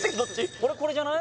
俺これじゃない？